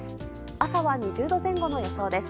朝は２０度前後の予想です。